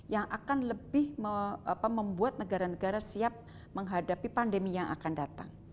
yang akan lebih membuat negara negara siap menghadapi pandemi yang akan datang